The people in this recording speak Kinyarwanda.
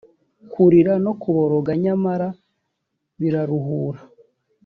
kurira no kuboroga nyamara biraruhura